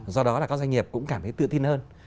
do đó là các doanh nghiệp cũng cảm thấy tự tin hơn